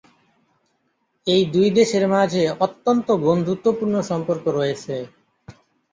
এই দুই দেশের মাঝে অত্যন্ত বন্ধুত্বপূর্ণ সম্পর্ক রয়েছে।